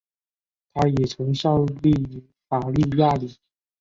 他也曾效力于卡利亚里。